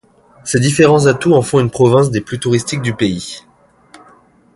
Ces différents atouts en font une province des plus touristiques du pays.